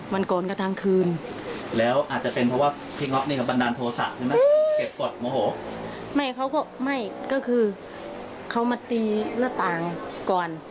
ไม่เขาก็ไม่ก็คือเขามาตีละต่างก่อน